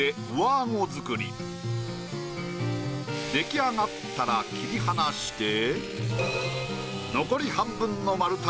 出来上がったら切り離して。